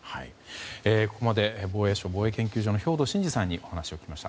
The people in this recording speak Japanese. ここまで防衛省防衛研究所の兵頭慎治さんにお話を聞きました。